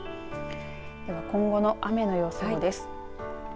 では今後の雨の予想です。